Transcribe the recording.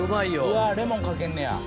うわレモンかけんねや。